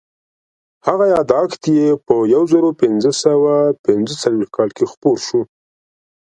هغه یادښت یې په یو زرو پینځه سوه پینځه څلوېښت کال کې خپور شو.